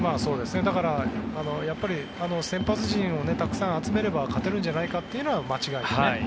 だから先発陣をたくさん集めれば勝てるんじゃないかというのが間違いでね。